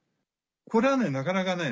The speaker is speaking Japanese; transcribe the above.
これはなかなかね